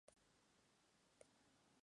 Embalse de piedra aguda.